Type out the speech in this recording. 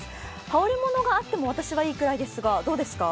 羽織りものがあっても私はいいくらいですが、どうですか？